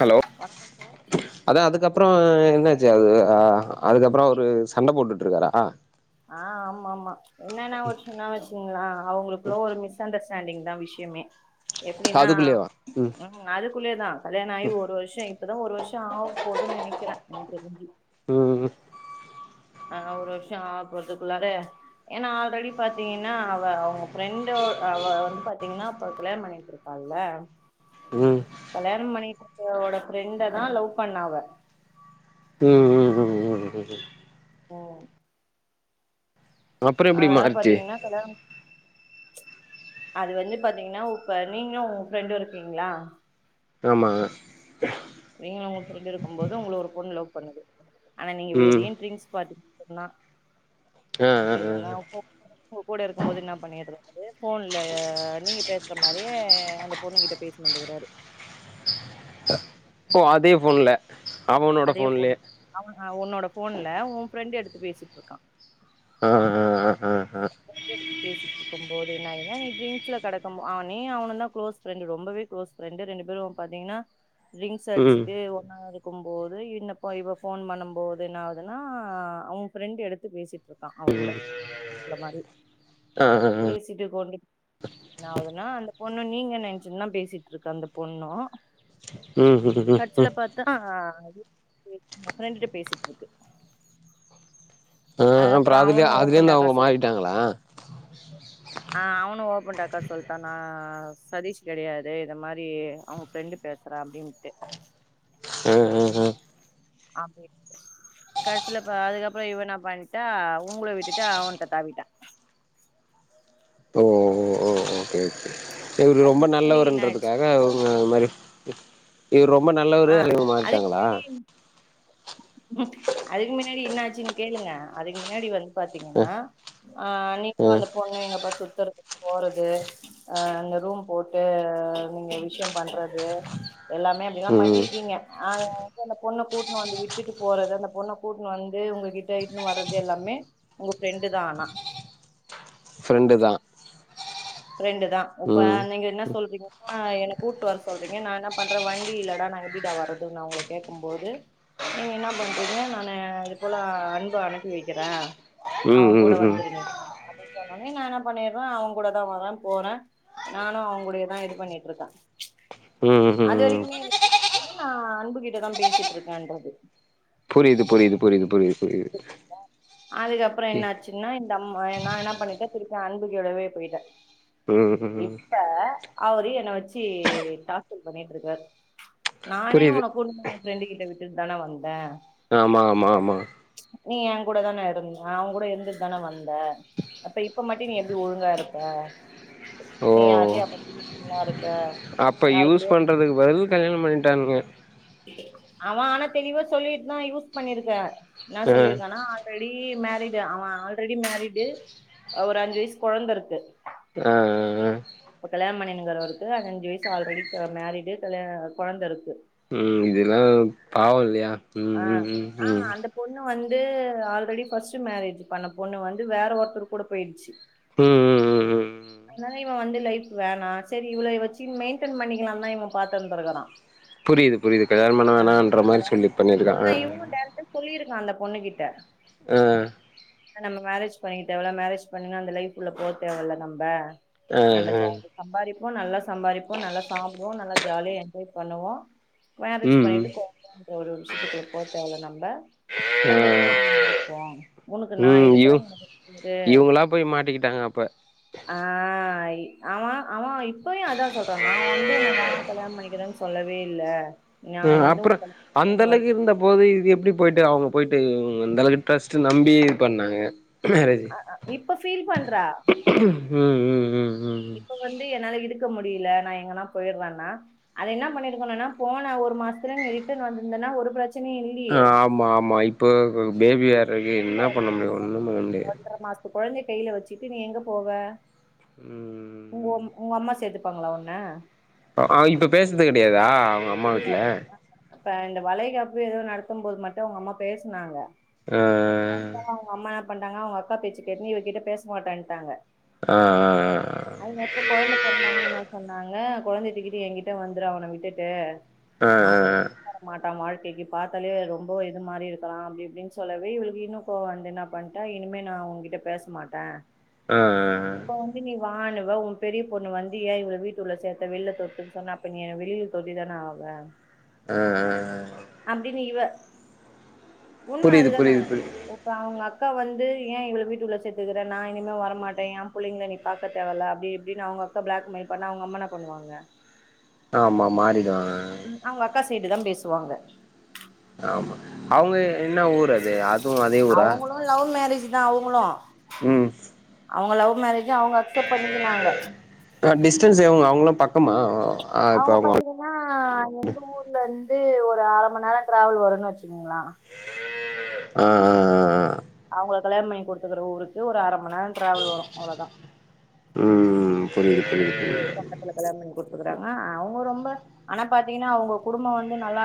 hello வணக்கம் sir அதா அதுக்கப்புறோ என்னாச் செரி அது அதுக்கப்புறோ அவரு சண்ட போட்டுட்டு இருக்காரா ஆ ஆ ஆமா ஆமா என்னன்னா ஒரு சின்ன விஷ்யங்கள்லா அவங்களுக்குள்ள ஒரு மிஸ் அண்டர்ஸ்டேண்டிங் தா விஷ்யமே எப்டின்னா ம் அதுக்குள்ளயேதா கல்யாணோ ஆயி ஒரு வருஷோ இப் இப்பதா ஒரு வருஷோ ஆக போதுன்னு நெனைக்கிற எனக்கு தெரிஞ்சு ம் ஆ ஒரு வருஷோ ஆகப்போறதுக்குள்ளார ஏன்னா ஆல்ரெடி பாத்தீங்கன்னா அவ அவங்க ஃப்ரெண்டோ அவ அவ வந்து பாத்தீங்கன்னா அப்ப கல்யாணம் பண்ணிட்டு இருக்காள்ல ம் ம் கல்யாணோம் பண்ணிட்டு அவரோட ஃப்ரெண்டதா லவ் பண்ணா அவ ம் ம் ம் ம் ம் புரிது ஹ அப்புறோ எப்டி ஆஹ் மாறிச்சு பாத்தீங்கன்னா கல்யாணம் அது வந்து பாத்தீங்கன்னா இப்ப நீங்களும் உங்க ஃப்ரெண்டும் இருக்கீங்களா ஆமா நீங்கள உங்க ஃப்ரெண்டு இருக்கும்போது உங்களுக்கு ஒரு பொண்ணு லவ் பண்ணுது ஆனா நீங்க ம் பெரிய ட்ரிங்க்ஸ் பார்ட்டி என்ன ஆ ஆ தெரியதுங்களா ஆ உங்க கூட இருக்கும் போது என்ன பண்ணிடுற அ போன்ல நீங்க பேசுற மாதிரியே அந்த பொண்ணு கிட்ட பேசிட்டு வந்துருக்காரு ஓ அதே போன்ல அதே போன் அவ உன்னோட போன்ல உன் ஃப்ரெண்ட் எடுத்து பேசிட்டு இருக்கான் ஆஹ் உஹ்ஹ ஆஹ்ஹ பேசிட்டு இருக்கும் போது என்ன ஏன்னா நீ ட்ரிங்க்ஸ்ல கிடக்கும் அவனே அவன தான் கு்ளோஸ் ஃப்ரெண்டு ரொம்பவே கு்ளோஸ் ஃப்ரெண்டு ரெண்டு பேரும் பாாரத்தீங்கன்னா ட்ரிங்க்ஸ் ம் அடிச்சுட்டு ஒன்னா இரு இருக்கும்போது இன்னப்ப இவ போன் பண்ணும் போது என்ன ஆதுன்னா அவன் ஃப்ரெண்ட் எடுத்து பேசிட்டு இருக்கான் அவள் கூட அந்த மாதிரி ஆ ஆ ஆ பேசிட்டு கொண்டுட்டு என்னாதுன்னா அந்த பொண்ணு நீங்க நினச்சின் தா பேசிட்டு இருக்கு அந்த பொண்ணும் ம் ம் ம் ம் கடைசில பார்த்தா ஃப்ரண்ட்டுட பேசிட்டு இருக்கு ஆஹ் அதுக்கப்புறோ அப்புறம் அதுலயே அவனு அதுல இருந்து ஓப்பன்டாக்கா அவங்க சொல்லி மாறிட்டாங்களா டாக்கா சொல்லிட்டானா நான் சதீஷ் கெடையாது இத மாதிரி அவங்க ஃப்ரெண்டு பேசுறேன் அப்படின்ட்டு உஹம் உம் உஹம் அப்படி கடைசில அதுக்கப்புறம் இவ என்னா பண்ணிட்டா இவங்கள விட்டுட்டு அவன்ட்ட தாவிட்டா ஓ ஓ ஓ ஓ ஓகெ ஓகே இவுரு அதுக்கு ரொம்ப முன்னாடி என்ன ஆயிடுச்சு நல்லவர்ருன்றதுக்காக உங்க மாரி [inaudible] இவர் ரொம்ப ஆ நல்லவருனு இவங்க அது மாறிட்டாங்களா அதுக்கு முன்னாடி என்ன ஆச்சுன் கேளுங்க அதுக்கு முன்னாடி வந்து அ பாத்தீங்கன்னா ஆஹ் நீங்களும் அ அந்த பொண்ணும் எங்க பர் சுத்துறது போறது ரூம் போட்டு நீங்க விஷயம் பண்றது எல்லாமே அப்படில்லா ம் பண்ணிருக்கீங்க வ அந்த பொண்ண கூ கவந்து விட்டுட்டு போறது அந்த பொண்ணை கூட்டுன்னு வந்து உங்ககிட்ட இட்னு வர்றது எல்லாமே உங்க ஃப்ரெண்டு தா ஆனா ஃப்ரெண்டு தான் ஃப்ரெண்டு தா இப்ப நீங்க என்ன சொல்றீங்கன்னா எனக்கு கூட்டு வர சொல்றீங்க நா என்ன பண்றே வண்டியில்லடா நாங் எப்டிடா வர்றதுன்னு அவங்கல கேக்கு போது நீங்க என்ன பண்றீங்க நானு இது போல அன்ப அனுப்பி வைக்கிறே ம் அவே ம் கூட ம் வந்துரு நீ அ அப்டி சொன்னோனே நா என்ன பண்ணிடுறே அவங் கூட வரே போறே நானு அவங்குடையதா இது பண்ணிட்ருக்கே ம் ம் அது ம் வரைக்குமே நா அன்புகிட்டதா பேசிட்ருக்கேன்றது புரியுது புரியுது புரியுது புரியுது புரியுது அதுக்கப்புரொ என்னாச்சுன்னா இந்த அம்மா நா என்ன பண்ணிட்டே திருப்பி அன்புகிட்டவே போயிட்டே ம் ம் இப்ப அவரு என்ன வச்சு டார்ச்சர் பண்ணிட்டுருக்காரு நானே புரியுது உனக்குன்னு ஃபரெண்டு கிட்ட விட்டுட் தான வந்தே ஆமா ஆமா ஆமா நீ ஏங்கூட தானே இருந்த அவங்க கூட இருந்துட்டு தானே வந்த அப்ப இப்ப மட்டு நீ எப்படி ஒழுங்கா இருப்ப ஓ நீ யார்டையு அப்ப [unintelligible] இரு அப்ப யூஸ் பண்றதுக்கு பதில் கல்யானோ பண்ணிட்டானுங்க அவெ ஆனா தெளிவா சொல்லிட்டு தா யூஸ் பண்ணிருக்க என்ன அ சொல்லிருக்கானா ஆல்ரெடி மேரிடு அவே ஆல்ரெடி மேரிடு ஒரு அஞ்சு வயசு கொழந்த இருக்கு ஆ ஆ இப்ப கல்யாண பன்ணிணுங்குரவருக்கு அஞ்சு வயசு ஆல்ரெடி மேரிடு கல்யான கொழந்த இருக்கு பாவல்லயா உ ஆ உ ஆ உ உ அந்த பொண்ணு வந்து ஆல்ரெடி ஃபர்ஸ்ட் மேரேஜ் பண்ண பொண்ணு வந்து வேற ஒருத்தருக்கு கூட போயிடுச்சு உ உ உ அதுனாலா இவ வந்து லைஃப் வேணா சரி இவள வச்சுனுடு மெயின்டென் பண்ணிக்கலா தா இவ பாத்துந்தருக்கா புரியுது புரியுது கல்யாண பண்ண வேணான்ற மாரி சொல்லி பண்ணிருக்கா [inaudible] ஆ ஆனா இவனு டேரெக்டா சொல்லிருக்கா அந்த பொண்ணு கிட்ட ஆ நம்ம மேரேஜ் பண்ணிக்க தேவல மேரேஜ் பண்ணா அந்த லைஃப்ள்ள போக தேவல நம்ப ஆ நம்ம ஆ ஜாலி சம்பாரிப்போ நல்லா சம்பாரிப்போ நல்லா சாப்பிடுவோ நல்லா ஜாலியா என்ஜாய் பண்ணுவோ மேரேஜ் ம் ம் பண்ணிட்டு கொழந்த [inaudible] ஒரு விஷயத்துக்குள்ள போ தேவலை நம்ம சந்தோஷமா இருப்போ உனக்கு நா ம் இவ இருக்கிறே எனக்கு நீ இருக்குற இவங்களா போய் மாட்டிக்கிட்டாங்க அப்ப ஆ அவ அவ இப்பயு அதா சொல்றா நா வந்து உன்ன வா கல்யாண பண்ணிக்கிறேன்னு சொல்லவே இல்ல நான் வந்து உனக்கென்ன ந்தலக்கு இருந்தா போது இது எப்டி போய் போயிட்டு அவங்க போயிட்டு அந்தாளுக்கு இன்ட்ரஸ்ட்டுனு நம்பி பண்ணாங்க மேறஜி இப்ப ஃபீல் பண்றா உக் உ உ உ உம் இப்ப வந்து என்னால இருக்கு இருக்க முடியல நா எங்கனா போயிறனா அத என்னா பண்ணிருக்கனுனா போன ஒரு மாசத்ல நீ ரிட்டன் வாந்திருந்தேன ஒரு பிரச் ஆமா ஆமா இப்போ பேபியார் அதுக்கு என்ன பண்ண முடியு ஒன்னு பண்ண முடியாது கொழந்தய கைல வச்சிட்டு நீ எங்க போவ ம் உங் உங்கொம்மா சேர்த்துட ப்பாங்களா ஒண்ண ஆ இப்ப பேசுறது கெடையாதா அவுங்க அம்மா வீட்ல இப்ப இந்த வலைகாப்பு ஏதோ நடத்தும் போது மட்டு அவுங்க அம்மா பேசுனாங்க ஆ அவுங்கம்மா பண்டாங்க அவுங்க அக்கா பேச்ச கேட்டுனு இவர்கிட்ட பேச மாட்டேன்ட்டாங்க ஆ அதுகப்ற கொழந்த பொறந்த ஒன்னையு என்னாச்சி நா சொன்னாங்க கொழந்தய தூக்கிட்டு எங்கிட்ட வந்துறு அவன விட்டுட்டு ஏ அ -அ-அ ஒத்து வரமாட்டா வாழ்க்கைக்கு பாத்தாலே ரொம்ப இது மாரி இருக்குறா அப்டி இப்டினு சொல்லவே இவளுக்கு இன்னு கோவ வந்து என்னா பண்ட்டா இனிமே நா ஒங்கிட்ட பேசமாட்டே அ அ அ இப்ப வந்து நீ வானுவ ஒ பெரிய பொண்ணு வந்து ஏ இவள வீட்டுள்ள சேத்த வெளில தொரத்துன்னு சொன்னா அப்ப நீ என்ன வெளில சொல்லி தான ஆவ அப்டினு இவ உண்ம புரியுது அதுதான புரியுது புரியுது இப்ப அவுங்கக் அக்கா வந்து ஏ இவள வீட்டுள்ள சேத்திருக்ற நா இனிமே வரமாட்டே ஏ புள்ளிங்கள நீ பாக்க தேவல்ல அப்டி இப்டின்னு அவுங்க அக்கா பிளாக் மெயில் பண்ணா அவுங்க அம்மா என்னா பண்ணுவாங்க ஆமா மாறிடுவாங்க ம், அவங்க அக்கா சைடு தா பேசுவாங்க ஆமா அவுங்க என்ன ஊரது அதுவு அதே ஊரா நா அவுங்களா உம் அவுங்க லவ் மேரேஜு அவுங்க அக்செப்ட் பண்ணிக்கினாங்க ஆ டிஸ்டன்ஸ் எவுங்க அவுங்க அவுங்க பாத்தீங்கனா எங்க ஊர்ல இருந்து வந்து ஒரு அர மணி நேர டிராவல் வருனு வச்சுகுங்ளா ஆ ஆ ஆ ஆ அவங்கள கல்யாண பண்ணி கொடுத்துக்கற ஊருக்கு ஒரு அரை மணிநேரம் டிராவல் வரும் அவ்ளோதான் ம் புரியுது புரிது புரிது கொடுக்குறாங்க அவுங்க ரொம்ப ஆனா பாத்தீங்கன்னா அவுங்க குடும்பம் வந்து நல்லா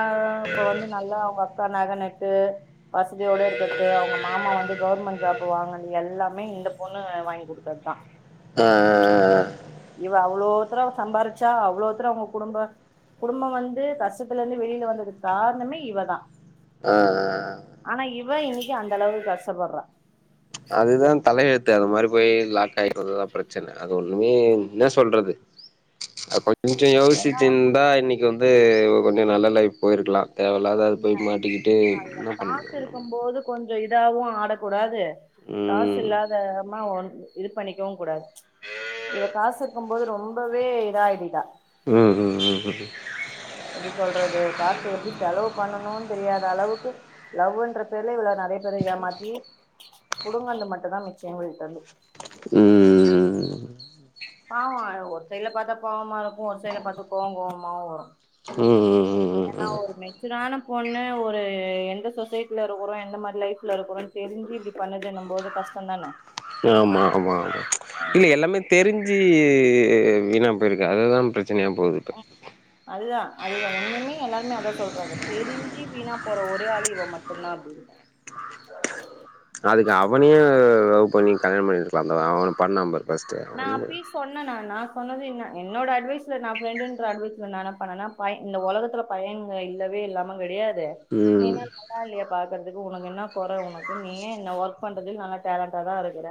இப்ப வந்து நல்லா அவுங்க அக்கா நகனட்டு வசதியோட இருக்கிறத்து அவுங்க மாமா வந்து கவர்மெண்ட் ஜாப்பு வாங்கண்து எல்லாமே இந்த பொண்ணு வாங்கி குடுத்தது தான் ஆ இவ அவ்ளோத்தர சம்பாரிச்சா அவ்ளோத்தர அவங்க குடும்ப குடும்பம் வந்து கஷ்டத்துல இருந்து வெளில வந்ததுக்கு காரணமே இவ தான் ஆ ஆ ஆனா இவ இன்னைக்கு அந்த அளவுக்கு கஷ்டப்பறா அதுதான் தலயெழுத்து அது மாரி போய் லாக் ஆயிரதுதான் பிரச்சனை அது ஒண்ணுமே என்ன சொல்றது கொஞ் சோ யோசிச்சிந்தா இன்னக்கி வந் அது கொஞ்சம் நல்ல லைப் போயிருக்கலாம் தேவையில்லாத அது போயி மாட்டிக்கிட்டு என்ன பண்ண முடியும் ஒன்னும் பண்ண கொஞ்சம் இதாவும் ஆடக்கூடாது காசு ம் இல்லாதமா ஒ இது பண்ணிக்கவும் கூடாது இவ காசு இருக்கும்போது ரொம்பவே இதாடிட்டா ம் ம் ம் ம் எப்டி சொல்றது காச எப்படி செலவு பண்ணணும்னு தெரியாத அளவுக்கு லவ்ன்ற பேர்ல இவள நறயா பேர ஏமாத்தி புடுங்னது மட்டும்தான் மிச்சம் இவள்ட்டருந்து பாவம் ஒரு சைட்ல பாத்தா பாவமா இருக்கும் ஒரு சைட்ல பாத்தா கோவம் கோவமாவும் வரும் ம் ம் ஏன்னா ம் ம் ஒரு மெச்சூரான பொண்ணு ஒரு எந்த சொசைட்டில இருக்கிறோம் எந்த மாரி லைஃப்ல இருக்கிறோம் தெரிஞ்சி இப்டி பண்ணதுன்னும் போது கஷ்டம் தான ஆமா ஆமா ஆமா இல்ல எல்லாமே தெரிஞ்சி சி வீணா போயிருக்கு அதுதான் பிரச் சினையா போது இப்ப அதுதான் உண்மைமே எல்லாருமே அதான் சொல்றாங்க தெரிஞ்சி வீணா போற ஒரே ஆளு இவ மட்டும்தா அப்படின்ட்டு அதுக்கு அவனேயே லவ் பண்ணி கல்யாண பண்ணி இருக்கலாம் அந்த அவன் பண்ணா பாரு ஃபர்ஸ்ட் நான் அவனையு அப்பியு சொன்னே நானா சொன்னது என்ன என்னோட அட்வைஸ்ல நான் ப்ரெண்டுன்ற அட்வைஸ்ல நான் என்ன பண்ணேன்னா ப இந்த ஒலகத்துல பையனங்க இல்லவே இல்லாம கெடையாது நீ ம் என்னா நல்லா இல்லையா பாக்கறதுக்கு உனக்கு என்ன கொற உனக்கு நீயே என்ன ஒர்க் பண்றதுக்கு நல்லா டேலண்ட்டாதா இருக்கற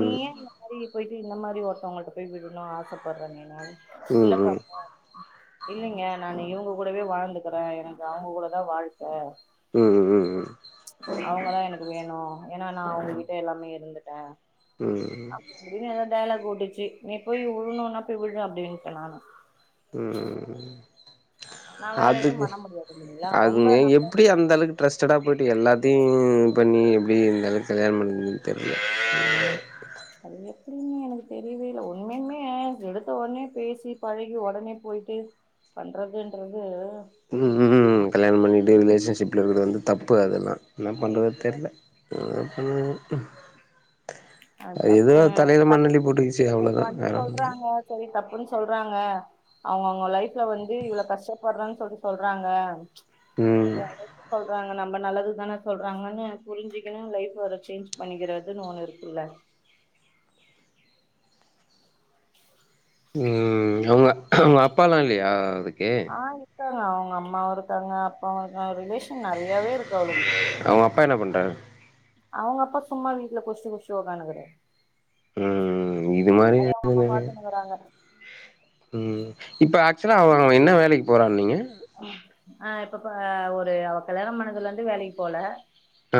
நீ ஏன் இந்த மாரி போயிட்டு இந்த மாரி ஒருத்தவங்கள்ட்ட போய் விடணும் ஆசைப்படறாங்க எங்க அண் ம் இல்லப்பா ம் இல்லைங்க நானு இவங்க கூடவே வாழ்ந்துக்கறேன் எனக்கு அவுங்க கூடதான் வாழ்க்க ம் ம் அவுங்கதான் எனக்கு வேணும் ஏன்னா நான் அவங்க கிட்ட எல்லாமே இருந்துட்டேன் ம் அப்டி அப்டின்னு ஏதோ டயலாக் ஓட்டுச்சு நீ போய் விழுணும்னா போய் விழு அப்டின்ட்ட நானு ம் ம் நா வேற எதுவு அதுக்கு பண்ண முடியாது இல்லைங்களா ரொம்ப அதுங்க நா எப்படி அந்த அளவுக்கு டிரஸ்ட்டடா போயி அப்படி எல்லாத்தையும் பண்ணி எப்படி இருந்தாலும் கல்யாணம் பண்ணிகிதுன்னு தெர்ல எப்படின்னே எனக்கு தெரியவே இல்ல உண்மையால்மே எடுத்த உடனே பேசி பழகி ஒடனே போயிட்டு பண்றதுன்றது ம் ம் கல்யாணம் பண்ணிட்டு ரிலேஷன்ஷிப்ல இருக்கிறது வந்து தப்பு அதெல்லாம் என்ன ஐ பண்றதே தெர்ல ஆமாங்க அது இதுவா தப்பு தலையில மண்ணு தப்பு அள்ளி போட்டுக்கிச்சி அவ்ளோதான் வேற ஒன்னும் இல்ல புன் சொல்றாங்க அவங்க அவங்க லைஃப்ல வந்து இவ்ளோ கஷ்டப்படறன்னு சொல்லி சொல்றாங்க ம் யாராச்சி சொல் றாங்க நம்ம நல்லதுக்கு தான சொல்றாங்கன்னு புரிஞ்சிக்கணும் லைஃப வேற சேஞ்ச் பண்ணிக்கிறதுன்னு ஒண்ணு இரு உள்ள உம் அவுங்க அவுங்க அப்பாலாம் இல்லையா அதுக்கு ஆ இருக்காங்க அவங்க அம்மாவு இருக்காங்க அப்பாவு இருக்காங்க ரிலேஷ் நறையாவே இருக்கு அவ்ளுக்கு அவங்க அப்பா என்ன பண்றாரு அவ்ங்க அப்பா சும்மா வீட்ல குடுஸ்ட்டு குடுஸ்ட்டு உக்கானுகிறாறு ம் ம் ம் ம் இது மாரி இருக்குது நறைய பாத்துனுக்குறாங்க ம் இப்ப ஆக்சுலா அவனு என்ன வேலைக் போறானீங்க ஆ ஆ இப்பப்ப ஒரு அவா கல்யாணோ பண்ணதுல இருந்து வேலைக் போல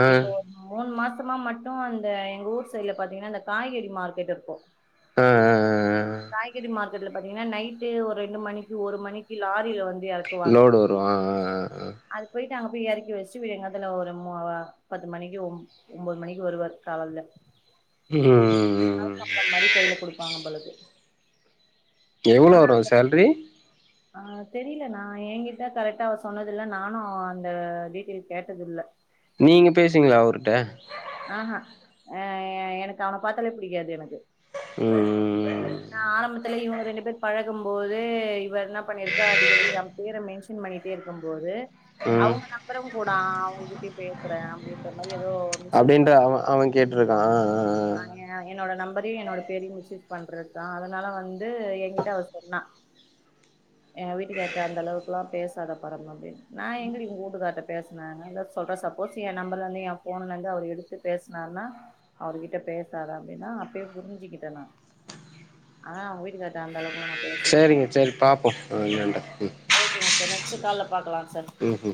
ஆ இப்போ மூண் மாஸ் மொத்தமா மட்டும் அந்த எங்க ஊர் சைட்ல பாத்தீங்னா இந்த காய்கறி மார்க்கெட் இருக்கும் ம் ம் ம் ம் காய்கறி மார்க் கெட்ல பாத்தீங்னா நைட்டு ஒரு ரெண்டு மணிக்கு ஒரு மணிக்கு லாரில வந் லோடு வரும் அ அ அ அ தேங்கா போய் இறக்கி வச்சு விடியங்காத்துல ஒரு மூ ஆவா பத்து மணிக்கு ஒம் ஒம்போது மணிக்கு வருவாரு காலல்ல ம் ம் ம் கையில ம் குடுப்பாங்க போலருக்கு ம் எவ்ளோ ஆனா வரும் சால்ரி ஆ தெரில நா ஏங்கிட்டா கரெக்டா அவா சொன்னது இல்ல நானும் அந்த டீடெல் கேட்டது இல்ல நீங்க பேசுவிங்ளா அவர்ட ஆஹா அ ஏ எனக்கு அவன பாத்தாலே புடிக்காது எனக்கு ம் ம் நா ம் ஆரம்பத்துல இவ்ங்க ரெண்டு பேர் பழக் இருக்கும் போதோ இவர் என்ன பண்ணிர்கா அடிக்கடி என் பேர மென்ஷன் பண்ணிட்டே இருக்கும் போது ம் அவ்ங்க நம்பரும் கொட் நா அவ்ங்கிட்யு பேசுற அப்டின்ற மாரி ஏதோ மிஸ்ஸு இந்த அவன் அவன் கேட்டிருக்கா ஆ ஆ ஆ அங்க ஏ என்னோட நம் பதியு என்னோட பெரியு வச்சி மிஸ்யூஸ் பண்றது தா அதனால வந்து என்கிட்ட அவா சொன்னா எ வீட்டுக்கார்ட அந்த அளவுக்குலா பேசாத பாரமு அப்டின் நா எங்கடி உ வூட்டுக்கார்ட பேசுன அதா சொல்ற சப்போஸ் எ நம்பர்லருந்து எ போனுலருந்து அவர் எடுத்து பேசுனார்னா அவரு வீட் எங்கிட்ட பேசாத அப்டின்னா அப்பே புரிஞ்சுக்கிட்டே நானு ஆன அவுங்க வீட்டுக்கார்ட்ட அந்தளவுக்குல நா பேசவே சேரிங்க மாட்டே சேரி பாப்போம் அ என்னான்ட்டு சே கால்ல பாக்கலா சார் ம்ஹூம்